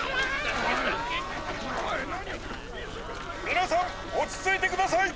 みなさんおちついてください！